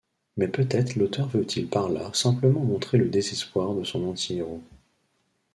Mais peut-être l'auteur veut-il par là simplement montrer le désespoir de son anti-héros.